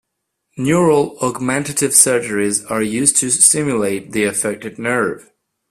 Neural augmentative surgeries are used to stimulate the affected nerve.